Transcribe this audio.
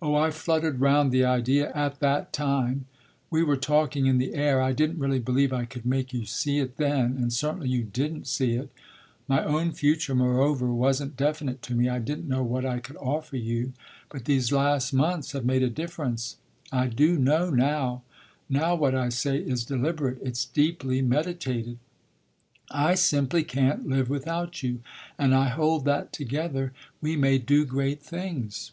"Oh I fluttered round the idea at that time; we were talking in the air. I didn't really believe I could make you see it then, and certainly you didn't see it. My own future, moreover, wasn't definite to me. I didn't know what I could offer you. But these last months have made a difference I do know now. Now what I say is deliberate It's deeply meditated. I simply can't live without you, and I hold that together we may do great things."